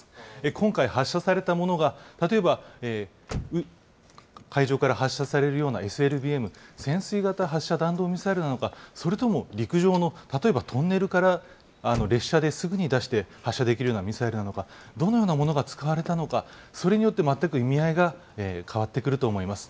今回、発射されたものが、例えば海上から発射されるようなＳＬＢＭ・潜水型発射ミサイルなのか、それとも陸上の、例えばトンネルから列車ですぐに出して発射できるようなミサイルなのか、どのようなものが使われたのか、それによって全く意味合いが変わってくると思います。